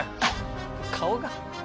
顔が。